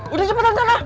udah cepetan sana